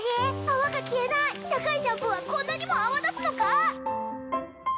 泡が消えない高いシャンプーはこんなにも泡立つのか！？